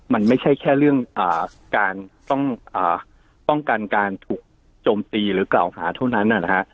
มันไม่ใช่แค่เรื่องการต้องป้องกันการถูกโจมตีหรือกล่าวหาเท่านั้นนะฮะ